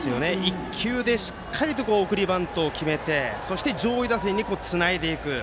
１球でしっかりと送りバントを決めてそして上位打線につないでいく。